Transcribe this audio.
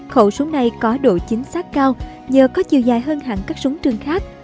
khẩu súng này có độ chính xác cao nhờ có chiều dài hơn hẳn các súng trường khác